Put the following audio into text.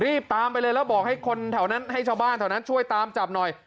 รีบตามไปเลยแล้วบอกให้คนแถวนั้นให้ชาวบ้านแถวนั้นช่วยตามจับหน่อย